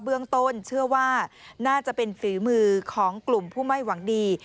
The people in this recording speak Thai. เบื้องต้นเชื่อว่าน่าจะเป็นฝีมือของกลุ่มผู้ไม่หวังดี